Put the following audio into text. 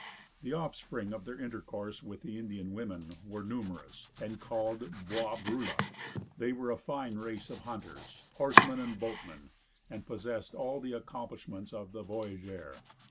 The offspring of their intercourse with the Indian women were numerous, and called "Bois Brules." They were a fine race of hunters, horsemen and boatmen, and possessed all the accomplishments of the voyageur.